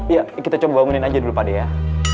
ya kita coba bangunin aja dulu pade ya